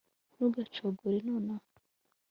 ntugacogore nonaha